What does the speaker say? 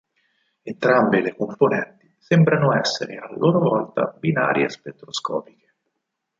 Entrambe le componenti sembrano essere a loro volta binarie spettroscopiche.